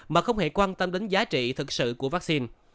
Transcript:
mà không hề quan tâm đến giá trị thực sự của vaccine